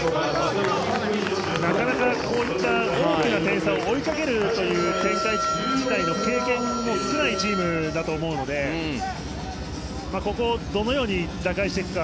なかなかこういった点差を追いかけるという展開自体の経験も少ないチームだと思うのでここをどのように打開していくか。